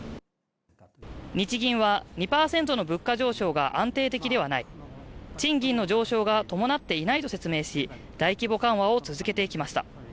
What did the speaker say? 日銀は２％の物価上昇が安定的ではない賃金の上昇が伴っていないと説明し大規模緩和を続けてきました